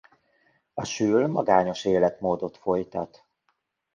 A sül magányos életmódot folytat.